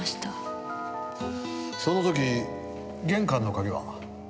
その時玄関の鍵は？